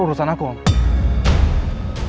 urusan aku om